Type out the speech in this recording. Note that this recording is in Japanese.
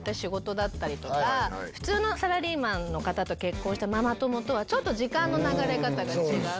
普通のサラリーマンの方と結婚したママ友とはちょっと時間の流れ方が違う。